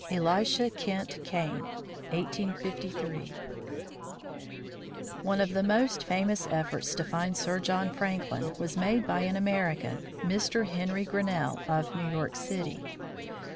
ELISHA KENT KANE . 1853 One of the most famous efforts to find Sir John Franklin was made by an American, Mr. Henry Grinnell, of New York City.